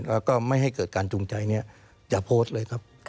แล้วก็ไม่ให้เกิดการจูงใจเนี่ยอย่าโพสต์เลยครับ